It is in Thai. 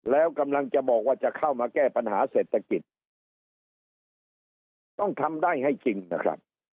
แล้วกำลังจะบอกว่าจะเข้ามาแก้ปัญหาเศรษฐกิจต้องทำได้ให้จริงนะครับ